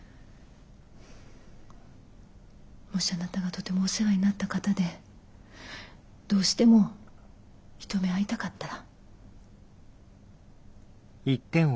もしあなたがとてもお世話になった方でどうしても一目会いたかったら。